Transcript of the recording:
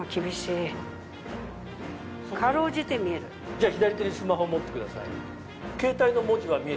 じゃあ左手にスマホ持ってください。